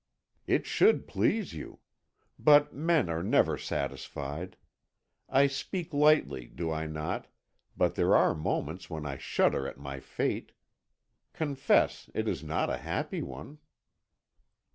"It should please you; but men are never satisfied. I speak lightly, do I not, but there are moments when I shudder at my fate. Confess, it is not a happy one."